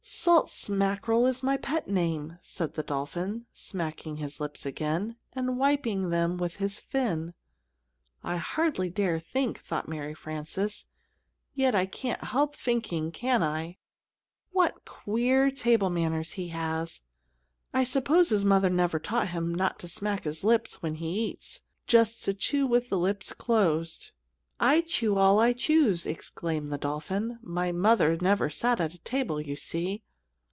"Salt Smackerel is my pet name," said the dolphin, smacking his lips again, and wiping them with his fin. "I hardly dare think," thought Mary Frances, "yet I can't help thinking, can I? What queer table manners he has! I suppose his mother never taught him not to smack his lips when he eats just to chew with the lips closed." "I chew all I choose!" exclaimed the dolphin. "My mother never sat at a table, you see."